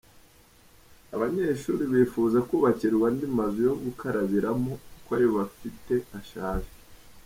Abanyeshuri bifuza kubakirwa andi mazu yo gukarabiramo kuko ayo bafite ashaje.